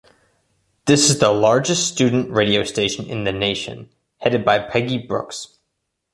This is the largest student radio station in the nation-headed by Peggy Brooks.